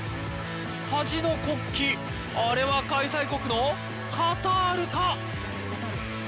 端の国旗、あれは開催国のカタールか。